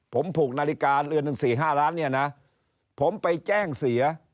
ผมผูกนาฬิกาเรือนหนึ่งสี่ห้าล้านเนี่ยนะผมไปแจ้งเสีย